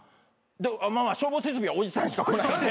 まあまあ消防設備はおじさんしか来ないんで。